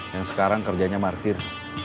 yang sekarang kerjanya markir